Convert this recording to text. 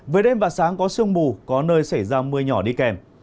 về đêm và sáng có sương mù có nơi xảy ra mưa nhỏ đi kèm